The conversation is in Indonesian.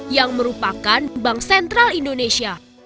yang merupakan bank sentral indonesia